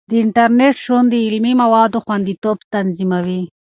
د انټرنیټ شتون د علمي موادو خوندیتوب تضمینوي.